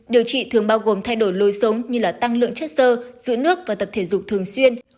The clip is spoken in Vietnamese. điều trị thường bao gồm thay đổi lối sống như tăng lượng chất sơ giữ nước và tập thể dục thường xuyên